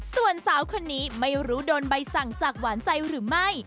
ส่วนสาวคนนี้ไม่รู้โดนใบสั่งจากหวานใจหรือไม่